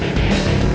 makanya satu satu saja